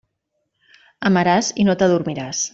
Amaràs i no t'adormiràs.